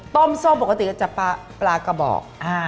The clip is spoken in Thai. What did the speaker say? ส้มปกติก็จะปลากระบอก